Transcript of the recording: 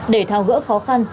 để thao gỡ khó khăn